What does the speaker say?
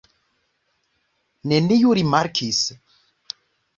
Neniu rimarkis!